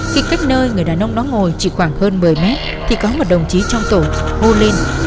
khi cách nơi người đàn ông đó ngồi chỉ khoảng hơn một mươi mét thì có một đồng chí trong tổ hôn linh